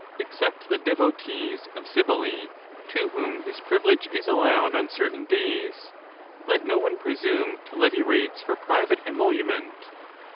Except the devotees of Cybele, to whom this privilege is allowed on certain days, let no one pre sume to levy rates for private emolument.